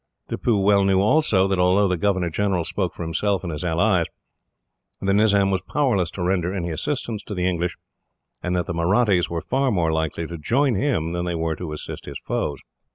Tippoo well knew, also, that although the governor general spoke for himself and his allies, the Nizam was powerless to render any assistance to the English, and that the Mahrattis were far more likely to join him than they were to assist his foes.